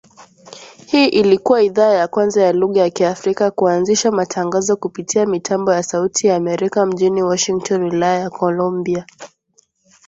Hii ilikua idhaa ya kwanza ya lugha ya Kiafrika kuanzisha matangazo kupitia mitambo ya Sauti ya Amerika mjini Washington Wilaya ya Columbia